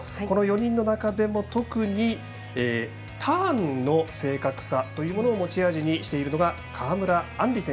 この４人の中でも特にターンの正確さというものを持ち味にしているのが川村あん